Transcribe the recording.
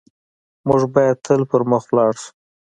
موږ بايد تل پر مخ لاړ شو.